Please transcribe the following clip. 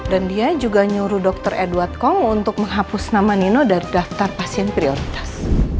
dan dia juga nyuruh dokter edward kong untuk menghapus nama nino dari daftar pasien prioritas